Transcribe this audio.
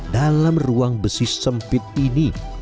dalam ruang besi sempit ini